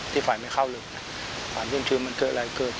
ที่ไฟไม่เข้าเลยก่อนหยุดชื่นมันเกิดอะไรเกิด